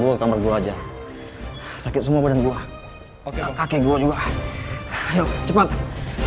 kamar gue kamar gue aja sakit semua badan gua oke kakek gua juga cepet ah